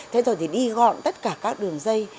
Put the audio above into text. thế rồi thì đi gọn tất cả các đường dây